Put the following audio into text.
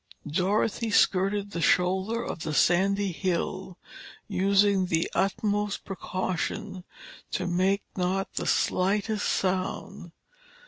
Dorothy skirted the shoulder of the sandy hill, using the utmost precaution to make not the slightest sound.